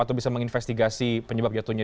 atau bisa menginvestigasi penyebab jatuhnya